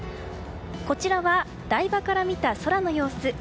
こちらは台場から見た空の様子。